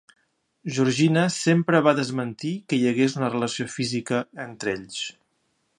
Georgina sempre va desmentir que hi hagués una relació física entre ells.